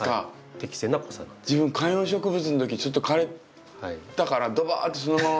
自分観葉植物の時ちょっと枯れたからどばってそのまま。